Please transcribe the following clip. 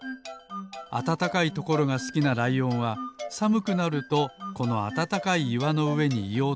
あたたかいところがすきなライオンはさむくなるとこのあたたかいいわのうえにいようとします。